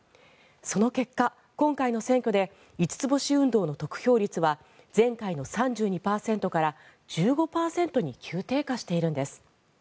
その結果、今回の選挙で五つ星運動の得票率は前回の３２％から１５％に急低下しているんです。